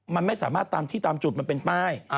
มันไม่สามารถตามที่ตามจุดมันเป็นป้าย